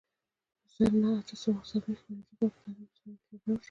په زر نه سوه اته څلویښت میلادي کال کې د عرب اسراییلو جګړه وشوه.